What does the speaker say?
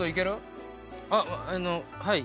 あっあのはい。